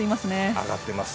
上がってます。